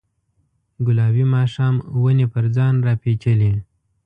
ګلابي ماښام ونې پر ځان راپیچلې